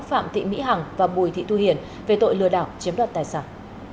phạm thị mỹ hằng và bùi thị thu hiền về tội lừa đảo chiếm đoạt tài sản